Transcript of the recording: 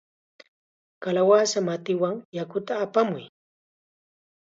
¡Kalawasa matiwan yakuta apamuy!